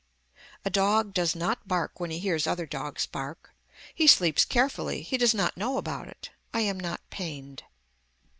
A dog does not bark when he hears other dogs bark. He sleeps carefully he does not know about it. I am not pained.